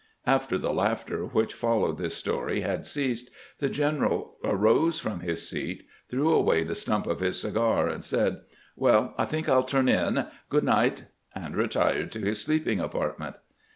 '" After the laughter which followed this story had ceased, the general arose from his seat, threw away the stump of his cigar, and said :" Well, I think I '11 turn in, Grood night," and retired to his sleeping apartment.